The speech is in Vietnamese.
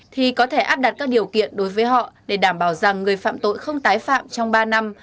thì có thể áp đặt các điều kiện đối với họ để đảm bảo rằng người phạm tội không tái phạm trong ba năm